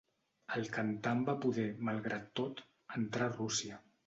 El cantant va poder, malgrat tot, entrar a Rússia.